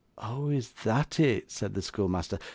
'Oh! Is that it?' said the schoolmaster.